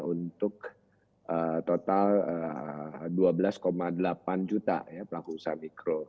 untuk total dua belas delapan juta pelaku usaha mikro